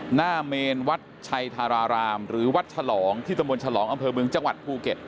หน้าเมนวัดชัยธารารามหรือวัดฉลองที่ตำบลฉลองอำเภอเมืองจังหวัดภูเก็ต